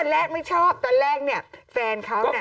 แรกไม่ชอบตอนแรกเนี่ยแฟนเขาเนี่ย